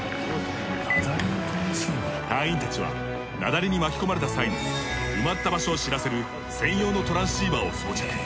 隊員たちは雪崩に巻き込まれた際に埋まった場所を知らせる専用のトランシーバーを装着。